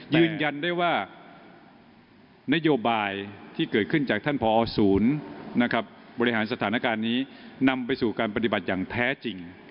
ยืนยันได้ว่านโยบายที่เกิดขึ้นจากท่านพอศูนย์บริหารสถานการณ์นี้นำไปสู่การปฏิบัติอย่างแท้จริง